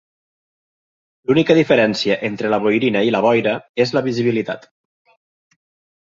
L'única diferència entre la boirina i la boira és la visibilitat.